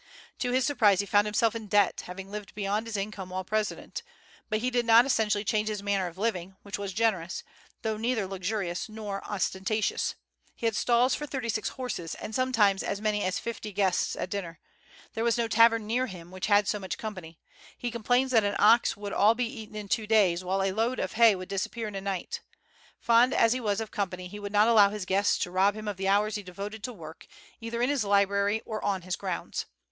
To his surprise he found himself in debt, having lived beyond his income while president. But he did not essentially change his manner of living, which was generous, though neither luxurious nor ostentatious. He had stalls for thirty six horses, and sometimes as many as fifty guests at dinner. There was no tavern near him which had so much company. He complains that an ox would all be eaten in two days, while a load of hay would disappear in a night, Fond as he was of company, he would not allow his guests to rob him of the hours he devoted to work, either in his library or on his grounds.